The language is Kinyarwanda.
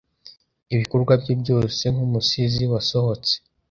ibikorwa bye byose Nkumusizi wasohotse